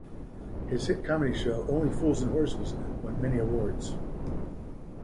His hit comedy show, "Only Fools and Horses" won many awards.